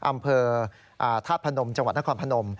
อำเภอทาตุพนมจนครพนม